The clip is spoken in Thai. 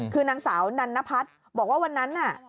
คือนางสาวนันนพัฒน์บอกว่าวันนั้นน่ะ